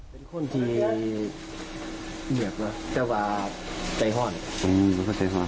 เป็นคนที่เหนือกนะแต่ว่าใจห้อนอืมแล้วก็ใจห้อน